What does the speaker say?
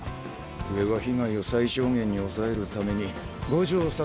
上は被害を最小限に抑えるために五条悟